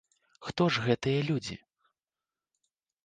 Хто ж гэтыя людзі?